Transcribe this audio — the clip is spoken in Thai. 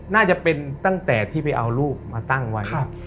น่าจะเป็นตั้งแต่ที่ไปเอารูปมาตั้งไว้